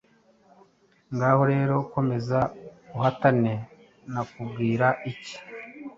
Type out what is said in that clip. Ngaho rero komeza uhatane nakubwira iki!